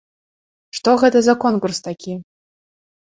Што гэта за конкурс такі?!